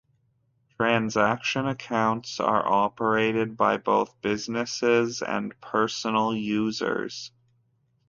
Transaction accounts are operated by both businesses and personal users.